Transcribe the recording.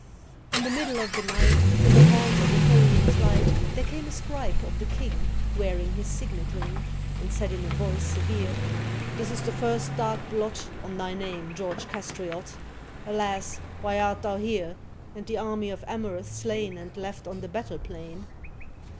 In the middle of the night, In a halt of the hurrying flight, There came a scribe of the king Wearing his signet ring. And said in a voice severe: "This is the first dark blot ~ On thy name, George Castriot! Alas! why art thou here. And the army of Amurath slain, And left on the battle plain?"